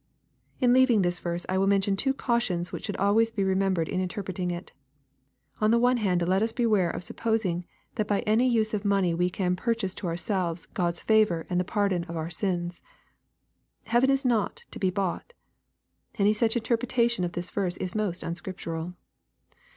In leaving this verse, I will mention two cautions which should always be remembered in interpreting it — On the one hand let us beware of supposing that by any use of money we can purchase to ourselves God's favor and liie pardon of our sins. Heaven is not to be bought. Any such interpretation of the verse is most unscriptural.